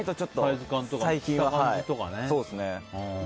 サイズ感とか着た感じとかがね。